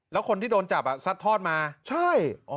แล้วคนที่โดนจับซัดทอดมาใช่